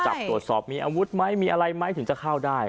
จับตรวจสอบมีอาวุธไหมมีอะไรไหมถึงจะเข้าได้